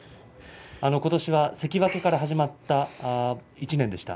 ことしは関脇から始まった１年でした。